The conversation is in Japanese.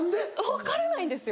分からないんですよ。